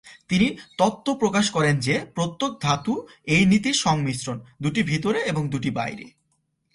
তিনি তত্ত্ব প্রকাশ করেন যে প্রত্যেক ধাতু এই নীতির সংমিশ্রণ, দুটি ভেতরে এবং দুটি বাইরে।